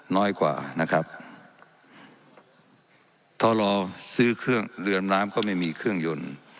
น้อยกว่านะครับทรซื้อเครื่องเรือนน้ำก็ไม่มีเครื่องยนต์